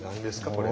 これ。